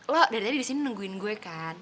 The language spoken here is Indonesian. lo dari tadi di sini nungguin gue kan